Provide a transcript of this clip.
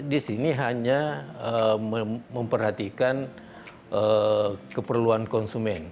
di sini hanya memperhatikan keperluan konsumen